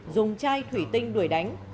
dùng chai thủy tinh đuổi đánh